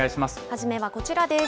初めはこちらです。